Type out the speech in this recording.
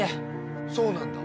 そうなんだ。